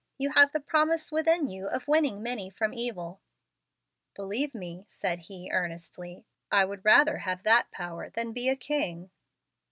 You have the promise within you of winning many from evil." "Believe me," said he, earnestly, "I would rather have that power than be a king."